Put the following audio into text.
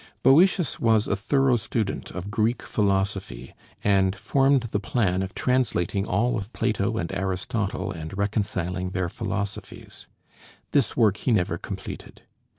Boëtius was a thorough student of Greek philosophy, and formed the plan of translating all of Plato and Aristotle and reconciling their philosophies. This work he never completed.